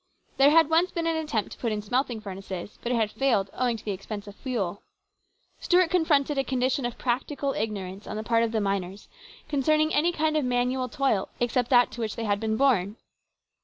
There had once been an attempt to put in smelting furnaces, but it had failed owing to the expense of fuel. Stuart confronted a condition of practical ignorance on the part of the miners concerning any kind of manual toil except 14 210 HIS BROTHER'S KEEPER. that to which they had been born.